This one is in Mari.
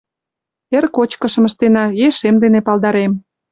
Эргочкышым ыштена, ешем дене палдарем.